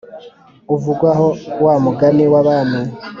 Uvugwaho wa mugani w’Abami